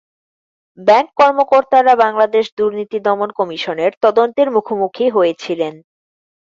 Bank কর্মকর্তারা বাংলাদেশ দুর্নীতি দমন কমিশনের তদন্তের মুখোমুখি হয়েছিলেন।